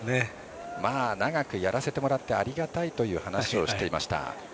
長くやらせてもらってありがたいという話をしていました。